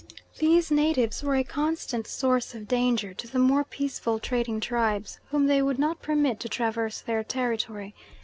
These natives were a constant source of danger to the more peaceful trading tribes, whom they would not permit to traverse their territory.